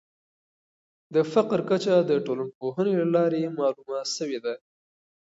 د فقر کچه د ټولنپوهني له لارې معلومه سوې ده.